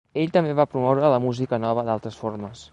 Ell també va promoure la música nova d'altres formes.